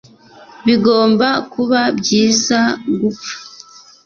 Bigomba kuba byiza gupfa